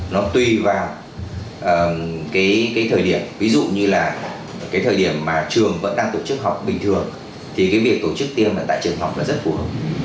nó tùy vào cái thời điểm ví dụ như là cái thời điểm mà trường vẫn đang tổ chức học bình thường thì cái việc tổ chức tiêm ở tại trường học là rất phù hợp